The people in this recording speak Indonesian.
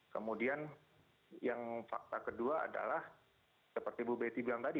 kemudian yang fakta kedua adalah seperti bu betty bilang tadi